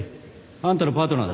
あんたのパートナーだ